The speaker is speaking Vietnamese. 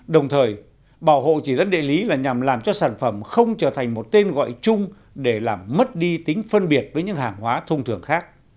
đồng thời bảo hộ chỉ dẫn địa lý là nhằm làm cho sản phẩm không trở thành một tên gọi chung để làm mất đi tính phân biệt với những hàng hóa thông thường khác